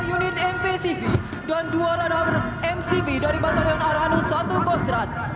tiga unit mpcv dan dua radar mcv dari batongen arhanut satu kostrat